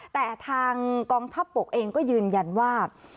แต่ทางกองทัพบกเองก็ยืนยันว่า